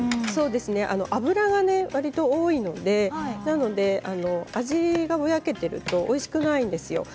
脂が割合多いので味がぼやけているとおいしくないんですよ。